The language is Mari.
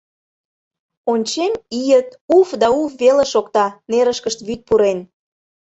Ончем — ийыт, уф да уф веле шокта: нерышкышт вӱд пурен...